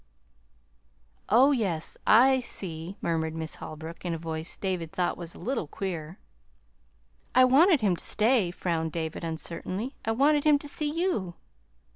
"Oh, yes, I see," murmured Miss Holbrook, in a voice David thought was a little queer. "I wanted him to stay," frowned David uncertainly. "I wanted him to see you."